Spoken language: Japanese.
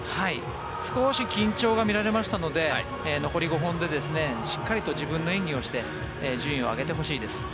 少し緊張が見られましたので残り５本でしっかりと自分の演技をして順位を上げてほしいです。